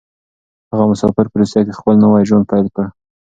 هغه مسافر په روسيه کې خپل نوی ژوند پيل کړ.